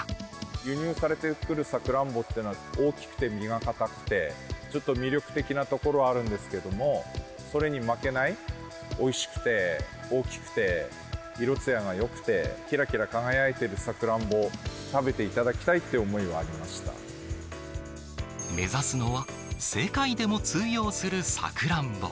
輸入されてくるさくらんぼってのは、大きくて実が硬くて、ちょっと魅力的なところあるんですけども、それに負けない、おいしくて、大きくて、色つやがよくて、きらきら輝いてるさくらんぼを食べていただきたいって思いはあり目指すのは、世界でも通用するさくらんぼ。